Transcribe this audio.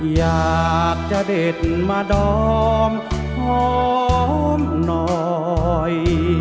อยากจะเด็ดมาดอมหอมหน่อย